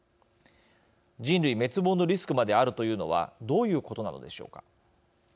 人類滅亡のリスクまであるというのはどういうことなのでしょうか。